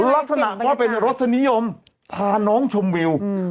ลักษณะว่าเป็นรสนิยมพาน้องชมวิว